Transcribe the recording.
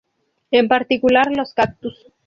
En particular, los cactus.